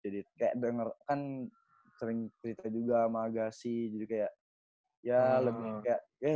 jadi kayak denger kan sering cerita juga sama agassi jadi kayak ya lebih kayak